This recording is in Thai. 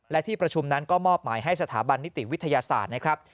และที่ประชุมนั้นก็มอบหมายให้สถาบันนิติวิทยาศาสตร์นะครับ